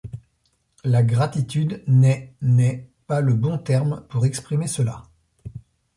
La gratitude n'est n'est pas le bon terme pour exprimer cela.